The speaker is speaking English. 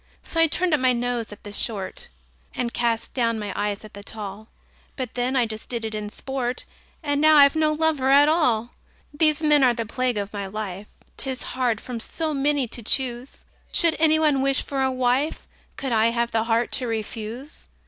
So I turned up my nose at the short, And cast down my eyes at the tall; But then I just did it in sport And now I've no lover at all! These men are the plague of my life: 'Tis hard from so many to choose! Should any one wish for a wife, Could I have the heart to refuse?